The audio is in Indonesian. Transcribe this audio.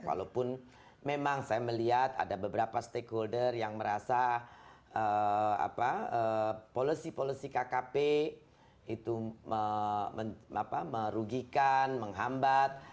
walaupun memang saya melihat ada beberapa stakeholder yang merasa policy policy kkp itu merugikan menghambat